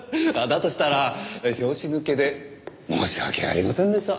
だとしたら拍子抜けで申し訳ありませんでした。